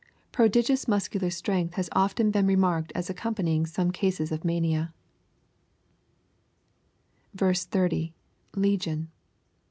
] Prodigious muscular strength has often been remarked as accompanying some cases of mania. 30. — [Legion.